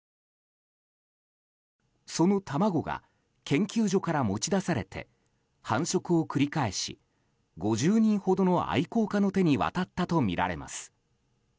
その卵が研究所から持ち出されて繁殖を繰り返し５０人ほどの愛好家の手に渡ったとみられます。